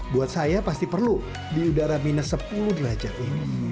buat saya pasti perlu di udara minus sepuluh derajat ini